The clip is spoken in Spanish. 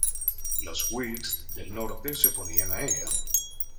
Los whigs del Norte se oponían a ella.